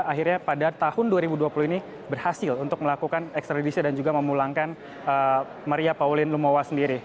akhirnya pada tahun dua ribu dua puluh ini berhasil untuk melakukan ekstradisi dan juga memulangkan maria pauline lumowa sendiri